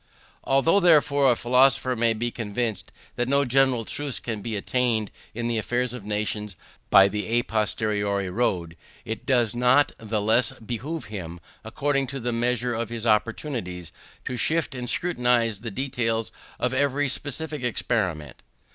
Although, therefore, a philosopher be convinced that no general truths can be attained in the affairs of nations by the à posteriori road, it does not the less behove him, according to the measure of his opportunities, to sift and scrutinize the details of every specific experiment.